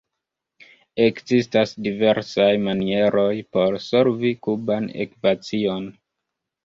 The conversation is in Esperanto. Ekzistas diversaj manieroj por solvi kuban ekvacion.